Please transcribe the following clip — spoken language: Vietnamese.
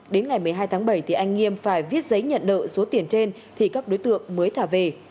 đến ngày một mươi hai tháng bảy thì anh nghiêm phải viết giấy nhận nợ số tiền trên thì các đối tượng mới thả về